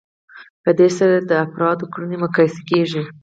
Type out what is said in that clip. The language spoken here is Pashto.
په دې سره د افرادو کړنې مقایسه کیږي.